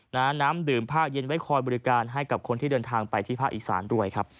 น้ำดื่มผ้าเย็นไว้คอยบริการให้กับคนที่เดินทางไปที่ภาคอีสานด้วยครับ